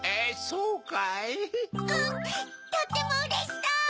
うんとってもうれしそう！